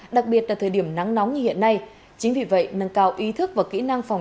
đặc biệt là thời điểm nắng nóng như hiện nay chính vì vậy nâng cao ý thức và kỹ năng phòng